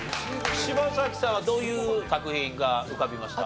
柴咲さんはどういう作品が浮かびました？